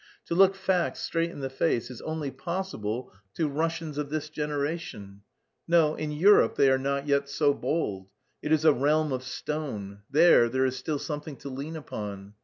To look facts straight in the face is only possible to Russians of this generation. No, in Europe they are not yet so bold; it is a realm of stone, there there is still something to lean upon.